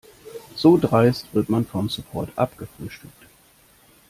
So dreist wird man vom Support abgefrühstückt.